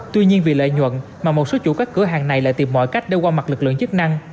tuy nhiên vì lợi nhuận mà một số chủ các cửa hàng này lại tìm mọi cách để qua mặt lực lượng chức năng